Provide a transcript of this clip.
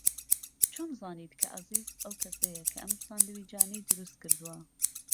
چۆن زانیت کە عەزیز ئەو کەسەیە کە ئەم ساندویچانەی دروست کردووە؟